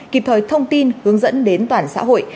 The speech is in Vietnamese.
kịp thời thông tin hướng dẫn đến toàn xã hội